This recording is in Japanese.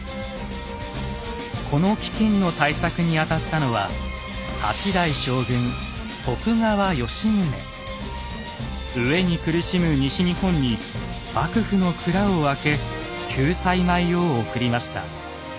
この飢きんの対策に当たったのは飢えに苦しむ西日本に幕府の蔵を開け救済米を送りました。